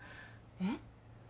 えっ？